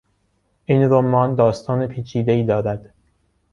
این رمان داستان پیچیدهای دارد.